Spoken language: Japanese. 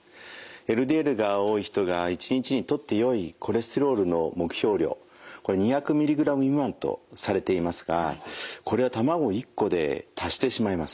ＬＤＬが多い人が１日にとってよいコレステロールの目標量これ２００ｍｇ未満とされていますがこれは卵１個で達してしまいます。